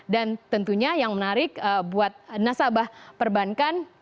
tentunya yang menarik buat nasabah perbankan